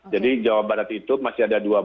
jadi jawa barat itu masih ada dua bansos